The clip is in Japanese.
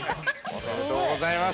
◆おめでとうございます。